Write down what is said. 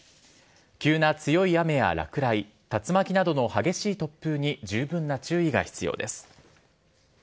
急な強い雨や落雷、竜巻などの激しい突風に、十分な注意が必要です。